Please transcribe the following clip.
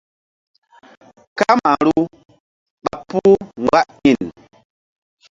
Kamaru ɓa puh mgba iŋ.